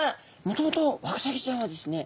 もともとワカサギちゃんはですね